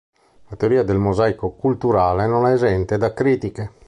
La teoria del "mosaico culturale" non è esente da critiche.